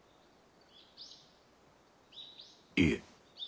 いえ。